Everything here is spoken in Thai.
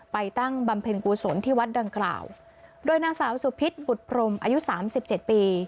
ตั้งบำเพ็ญกุศลที่วัดดังกล่าวโดยนางสาวสุพิษบุตรพรมอายุสามสิบเจ็ดปี